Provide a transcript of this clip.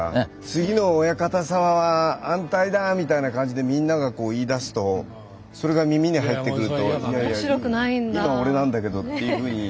「次のお館様は安泰だ」みたいな感じでみんなが言いだすとそれが耳に入ってくると「いやいや今俺なんだけど」っていうふうに。